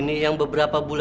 di video selanjutnya